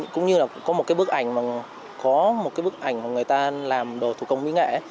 cũng như là có một cái bức ảnh mà người ta làm đồ thủ công mỹ nghệ ấy